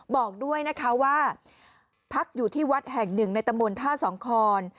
บอกด้วยนะคะว่าพักอยู่ที่วัดแห่งหนึ่งในตำบลท่าสองคอน